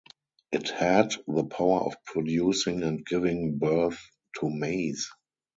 It had the power of producing and giving birth to maize.